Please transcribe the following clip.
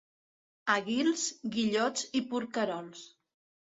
A Guils, guillots i porquerols.